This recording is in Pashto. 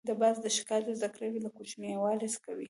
باز د ښکار زده کړه له کوچنیوالي کوي